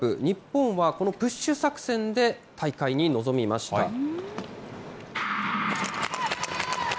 日本はこのプッシュ作戦で大会に臨みました。